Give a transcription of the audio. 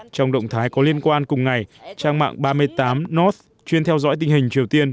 trong động thái có liên quan cùng ngày trang mạng ba mươi tám north chuyên theo dõi tình hình triều tiên